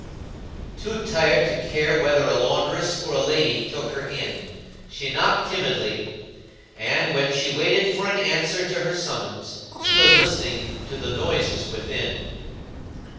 Too tired to care whether a laundress or a lady took her in, she knocked timidly, and, while she waited for an answer to her summons, stood listening to the noises within.